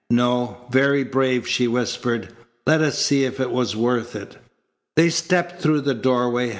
"No. Very brave," she whispered. "Let us see if it was worth it." They stepped through the doorway.